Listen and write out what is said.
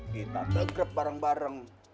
kita degrep bareng bareng